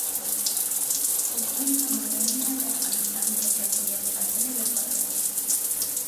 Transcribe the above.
اوبزین معدنونه د افغانستان د چاپیریال ساتنې لپاره مهم دي.